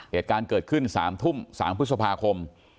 เหตุการณ์เกิดขึ้น๓ทุ่ม๓พฤษภาคม